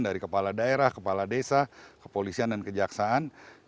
dari kepala daerah kepala desa kepolisian dan kejaksaan